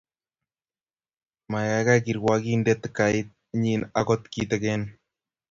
Maikaikai kirwokindet kaita nyin akot kitegen